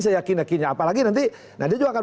seyakin yakinnya apalagi nanti dia juga akan